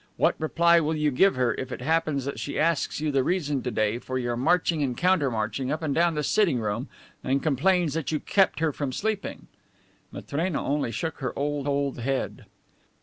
What reply will you give her if it happens that she asks you the reason to day for your marching and counter marching up and down the sitting room and complains that you kept her from sleeping?" Matrena only shook her old, old head.